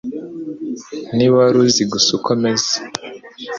Niba wari uzi gusa uko meze.